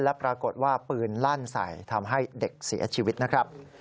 และปรากฏว่าปืนลั่นใส่ทำให้เด็กเสียชีวิตนะครับ